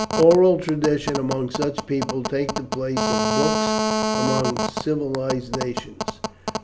Oral tradition among such peoples takes the place of books among civilized nations.